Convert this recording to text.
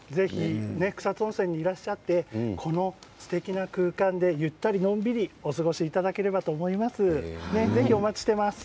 草津温泉にいらっしゃってこのすてきな空間でゆっくり過ごしていただければと思います。